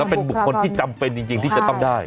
เป็นบุคคลที่จำเป็นจริงที่จะต้องได้